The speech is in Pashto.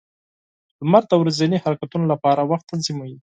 • لمر د ورځني حرکتونو لپاره وخت تنظیموي.